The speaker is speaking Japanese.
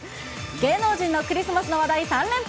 芸能人のクリスマスの話題３連発。